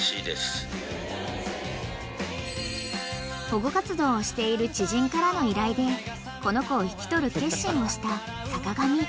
［保護活動をしている知人からの依頼でこの子を引き取る決心をした坂上］